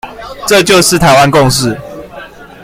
這就是台灣共識